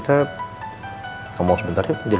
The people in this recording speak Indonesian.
papa tadi habis dari kantornya al